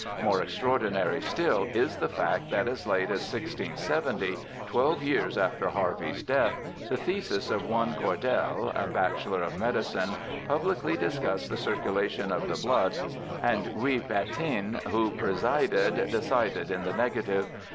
^ More extraordinary still is the fact that as late as 1670, twelve years after Harvey's death, the thesis of one Cordelle, a bachelor of medicine, publicly discussed the circulation of the blood, and Gui Patin, who presided, decided in the negative.